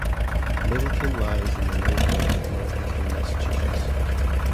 Middleton lies in the low hills of northeastern Massachusetts.